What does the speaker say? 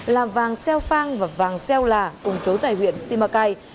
làm vàng xeo phang và vàng xeo lạ cùng chối tại huyện simacai